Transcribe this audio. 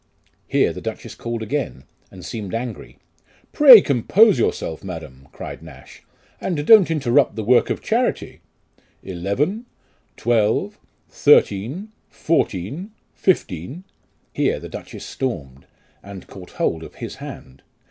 Here the duchess called again, and seemed angry. " Pray compose yourself, madam," cried Nash, " and don't interrupt the work of charity eleven, twelve, thirteen, fourteen, fifteen." Here the duchess stormed, and caught hold of his hand.